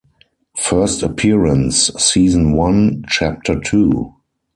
First Appearance: Season One, Chapter Two.